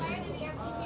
ini berarti buktinya apa